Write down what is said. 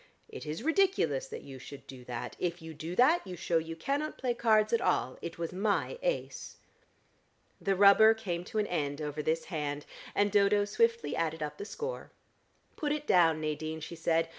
It is ridiculous that you should do that. If you do that, you shew you cannot play cards at all. It was my ace." The rubber came to an end over this hand, and Dodo swiftly added up the score. "Put it down, Nadine," she said.